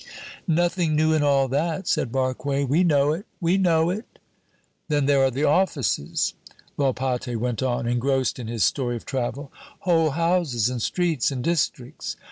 "Nothing new in all that," said Barque, "we know it, we know it!" "Then there are the offices," Volpatte went on, engrossed in his story of travel; "whole houses and streets and districts.